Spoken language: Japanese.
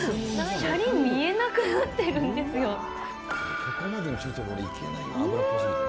しゃり見えなくなっているんですよ。